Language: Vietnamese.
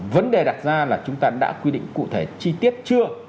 vấn đề đặt ra là chúng ta đã quy định cụ thể chi tiết chưa